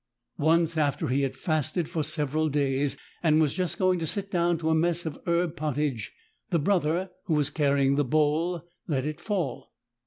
Once after he had fasted for several days and was just going to sit down to a mess of herb pottage, the Brother who was carrying the bowl let it fall.